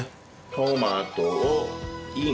トマトをイン。